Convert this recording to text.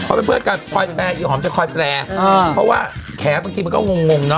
เขาเป็นเพื่อนกันคอยแปลอีหอมจะคอยแปลอ่าเพราะว่าแขบางทีมันก็งงงเนอ